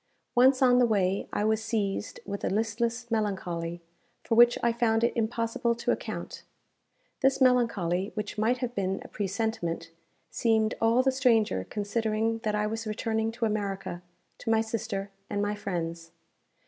Once on the way, I was seized with a listless melancholy, for which I found it impossible to account. This melancholy, which might have been a presentiment, seemed all the stranger considering that I was returning to America, to my sister, and my friends.